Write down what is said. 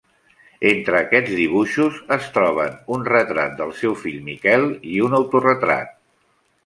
Entre aquests dibuixos es troben un retrat del seu fill Miquel i un autoretrat.